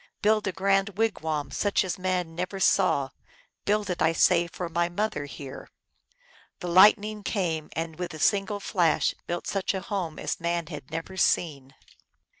Build a grand wigwam such as man ne er saw ! Build it, I say, and for my mother here !" The Lightning came, and with a single flash built such a home as man had never seen.